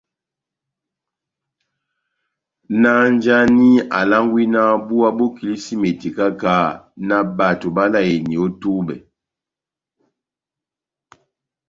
náh njáni alángwí náh búwá bó kilísímeti káha-káha, náh bato báláyeni ó túbɛ?